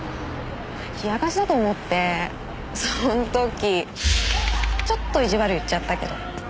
冷やかしだと思ってその時ちょっと意地悪言っちゃったけど。